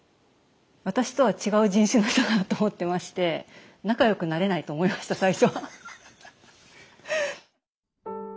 私とは違う人種の人だなと思ってまして仲よくなれないと思いました最初は。